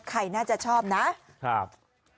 ใครน่าจะชอบนะครับ